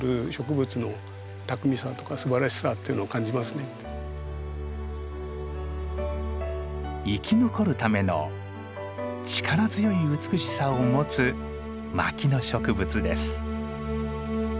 この姿を見ると生き残るための力強い美しさを持つ牧野植物です。